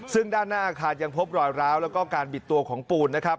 ซึ่งด้านหน้าอาคารยังพบรอยร้าวแล้วก็การบิดตัวของปูนนะครับ